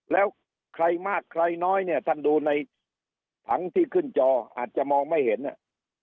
แล้วใครมากใครน้อยเนี่ยท่านดูในถังที่ขึ้นจออาจจะมองไม่เห็นเนี่ย